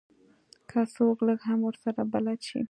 که څوک لږ هم ورسره بلد شي.